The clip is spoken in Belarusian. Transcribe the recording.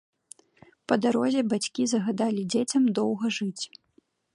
Па дарозе бацькі загадалі дзецям доўга жыць.